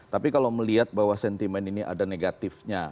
tapi kalau melihat bahwa sentimen ini ada negatifnya